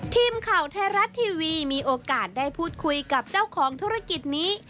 ทีมข่าวไทยรัฐทีวีมีโอกาสได้พูดคุยกับเจ้าของธุรกิจนี้